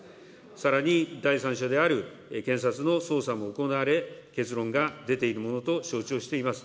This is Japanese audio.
さらに第三者である検察の捜査も行われ、結論が出ているものと承知をしております。